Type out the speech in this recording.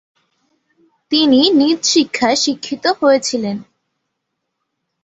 তিনি নিজ শিক্ষায় শিক্ষিত হয়েছিলেন।